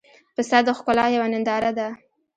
پسه د ښکلا یوه ننداره ده.